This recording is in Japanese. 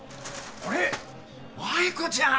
あれっ舞子ちゃん